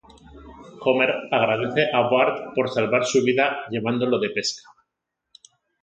Homer agradece a Bart por salvar su vida llevándolo de pesca.